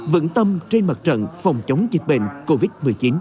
vững tâm trên mặt trận phòng chống dịch bệnh covid một mươi chín